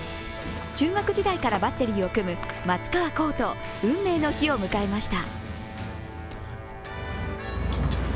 中学時代からバッテリーを組む、松川虎生と運命の日を迎えました。